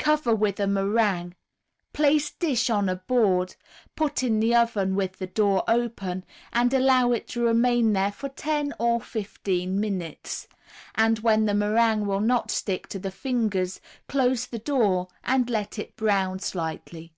Cover with a meringue. Place dish on a board, put in the oven with the door open, and allow it to remain there for ten or fifteen minutes, and when the meringue will not stick to the fingers, close the door and let it brown slightly.